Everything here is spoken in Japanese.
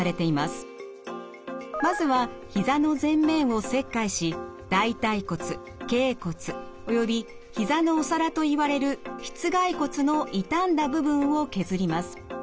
まずはひざの前面を切開し大腿骨けい骨およびひざのお皿といわれるしつ蓋骨の傷んだ部分を削ります。